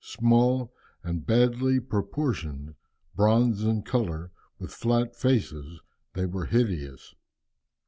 Small and badly proportioned, bronze in colour, with flat faces, they were hideous.